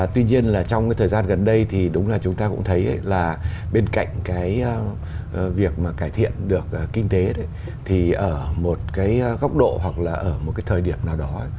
tuy nhiên là trong cái thời gian gần đây thì đúng là chúng ta cũng thấy là bên cạnh cái việc mà cải thiện được kinh tế thì ở một cái góc độ hoặc là ở một cái thời điểm nào đó